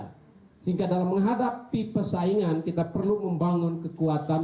sehingga dalam menghadapi persaingan kita perlu membangun kekuatan